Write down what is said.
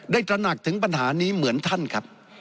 ตระหนักถึงปัญหานี้เหมือนท่านครับ